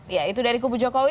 ya itu dari kubu jokowi